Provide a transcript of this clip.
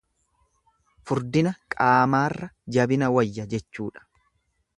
Furdina qaamaarra jabina wayya jechuudha.